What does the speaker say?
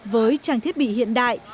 với trang thiết bị hiện đại